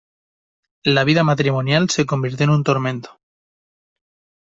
La vida matrimonial se convirtió en un tormento.